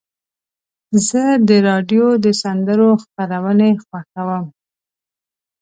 زه د راډیو د سندرو خپرونې خوښوم.